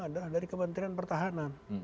ada dari kementerian pertahanan